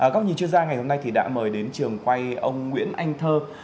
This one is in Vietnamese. các nhìn chuyên gia ngày hôm nay đã mời đến trường quay ông nguyễn anh thơ